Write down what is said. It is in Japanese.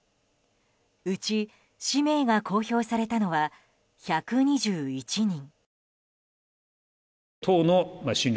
うち氏名が公表されたのは１２１人。